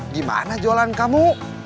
gimana jualan kamu